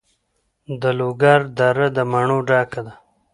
د لوګر دره د مڼو ډکه ده.